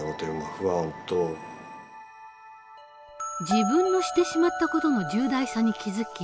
自分のしてしまった事の重大さに気付き